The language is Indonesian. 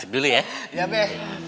dulu ya ya be